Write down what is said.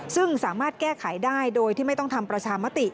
ซึ่งสามารถแก้ไขได้โดยที่ไม่ต้องทำประชามติ